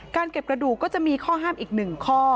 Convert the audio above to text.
เก็บกระดูกก็จะมีข้อห้ามอีก๑ข้อ